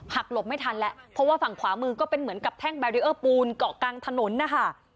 หลบไม่ทันแล้วเพราะว่าฝั่งขวามือก็เป็นเหมือนกับแท่งแบรีเออร์ปูนเกาะกลางถนนนะคะ